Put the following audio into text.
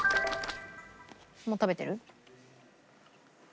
もう食べてる？